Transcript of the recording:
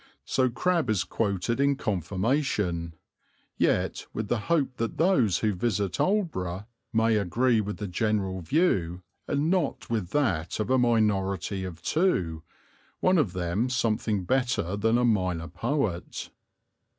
So Crabbe is quoted in confirmation, yet with the hope that those who visit Aldeburgh may agree with the general view and not with that of a minority of two, one of them something better than a minor poet.